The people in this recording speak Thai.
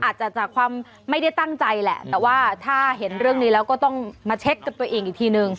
อาจจะจากความไม่ได้ตั้งใจแหละแต่ว่าถ้าเห็นเรื่องนี้แล้วก็ต้องมาเช็คกับตัวเองอีกทีนึง